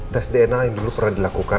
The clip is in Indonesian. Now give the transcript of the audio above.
tes dna yang dulu pernah dilakukan